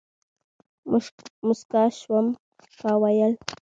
موسکا شوم ، کا ويل ،